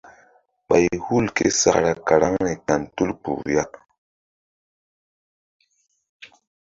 Ɓay hul ké sakra karaŋri kan tul kpuh ya.